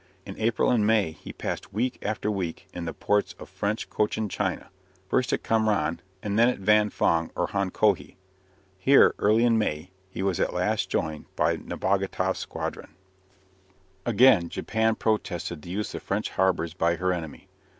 In April and May he passed week after week in the ports of French Cochin China, first at Kamranh and then at Van Fong or Honkohe. Here, early in May, he was at last joined by Nebogatoff's squadron. Again Japan protested against the use of French harbours by her enemy.